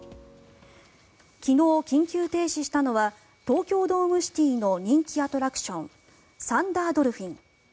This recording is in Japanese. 昨日、緊急停止したのは東京ドームシティの人気アトラクションサンダードルフィン。